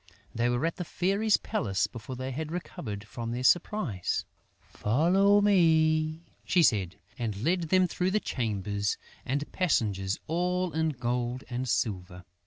They were at the Fairy's palace before they had recovered from their surprise. "Follow me," she said and led them through chambers and passages all in gold and silver.